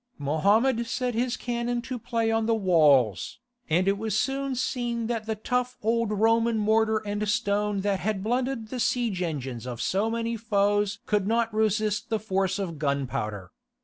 Mohammed set his cannon to play on the walls, and it was soon seen that the tough old Roman mortar and stone that had blunted the siege engines of so many foes could not resist the force of gunpowder.